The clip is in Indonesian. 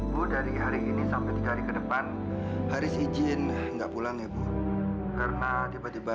bu dari hari ini sampai tiga hari ke depan harus izin enggak pulang ya bu karena tiba tiba